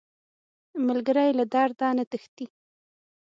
ملګری له درده نه تښتي